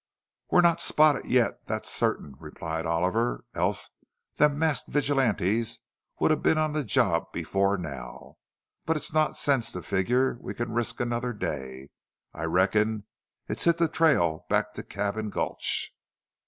"We're not spotted yet, thet's certain," replied Oliver, "else them masked vigilantes would have been on the job before now. But it's not sense to figger we can risk another day.... I reckon it's hit the trail back to Cabin Gulch."